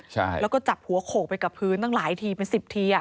ใช่แล้วก็จับหัวโขกไปกับพื้นตั้งหลายทีเป็น๑๐ที